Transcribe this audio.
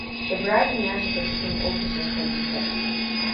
Ibrahim ya shiga cikin ofishin Khalifat.